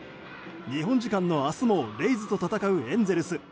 日本時間の明日もレイズと戦うエンゼルス。